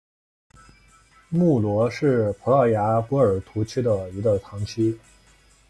穆罗是葡萄牙波尔图区的一个堂区。